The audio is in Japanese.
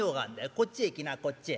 こっちへ来なこっちへ。